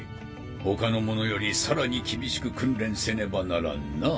他の者よりさらに厳しく訓練せねばならんな。